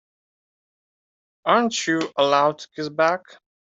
Aren't you allowed to kiss back?